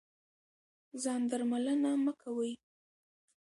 ځان درملنه مه کوئ.